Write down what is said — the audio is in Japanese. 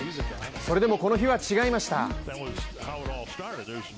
それでもこの日は違いました。